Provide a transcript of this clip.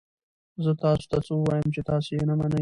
زه تاسو ته څه ووایم چې تاسو یې نه منئ؟